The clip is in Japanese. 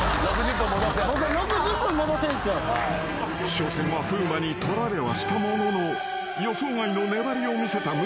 ［初戦は風磨に取られはしたものの予想外の粘りを見せた向井］